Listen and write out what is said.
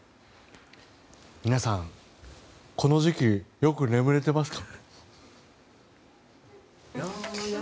皆さん、この時期よく眠れていますか？